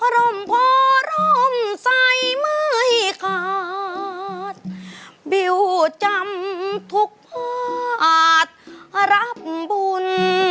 ร่มพอร่มใสไม่ขาดบิวจำทุกภาครับบุญ